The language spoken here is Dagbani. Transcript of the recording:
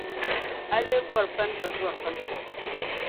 A lee bɔri pani ka zɔri pan’ kɔbiri.